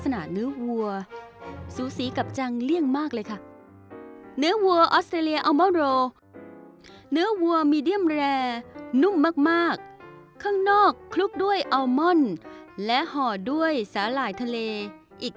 นับถอยหลัง๑๐วินาที